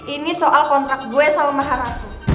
ini soal kontrak gue sama haratu